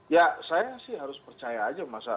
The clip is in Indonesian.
ya saya sih harus percaya saja mas hensat